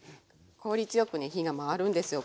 効率よくね火が回るんですよ